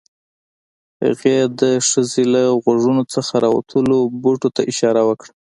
هغې د ښځې له غوږونو څخه راوتلو بوټو ته اشاره وکړه